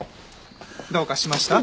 どうかしました？